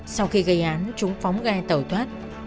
sau khi gây án chúng phóng gai tẩu thoát